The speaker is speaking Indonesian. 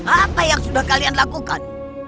apa yang sudah kalian lakukan